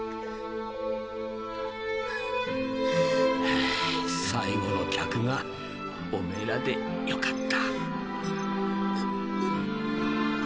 ああ最後の客がオメエらでよかった。